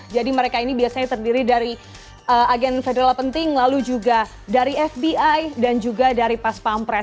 jadi mereka ini biasanya terdiri dari agen federal penting lalu juga dari fbi dan juga dari pas pampres